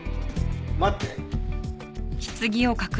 待って。